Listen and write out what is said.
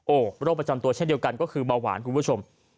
โอ้โหโรคประจำตัวเช่นเดียวกันก็คือเบาหวานคุณผู้ชม